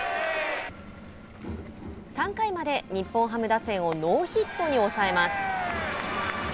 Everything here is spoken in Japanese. ３回まで日本ハム打線をノーヒットに抑えます。